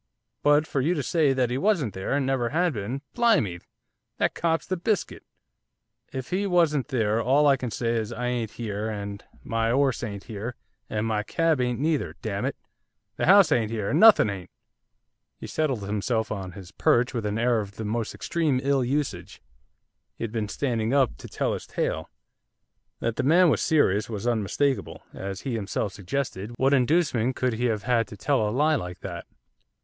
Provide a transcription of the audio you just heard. But for you to say that he wasn't there, and never had been, blimey! that cops the biscuit. If he wasn't there, all I can say is I ain't here, and my 'orse ain't here, and my cab ain't neither, damn it! the house ain't here, and nothing ain't!' He settled himself on his perch with an air of the most extreme ill usage, he had been standing up to tell his tale. That the man was serious was unmistakable. As he himself suggested, what inducement could he have had to tell a lie like that?